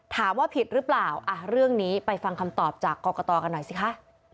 ถามว่าผิดหรือเปล่าอ่ะเรื่องนี้ไปฟังคำตอบจากกรกตกันหน่อยสิคะ